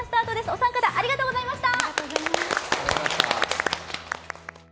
お三方ありがとうございました。